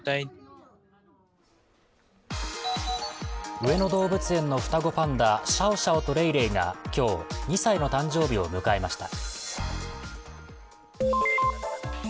上野動物園の双子パンダシャオシャオとレイレイが今日、２歳の誕生日を迎えました。